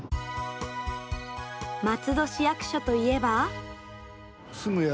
松戸市役所といえば。